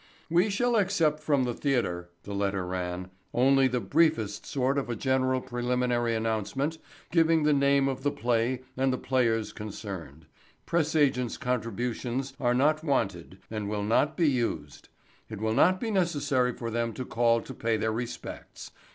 "We shall accept from the theatre," the letter ran, "only the briefest sort of a general preliminary announcement giving the name of the play and the players concerned. Press agents' contributions are not wanted and will not be used. It will not be necessary for them to call to pay their respects.